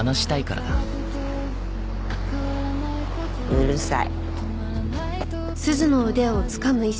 うるさい。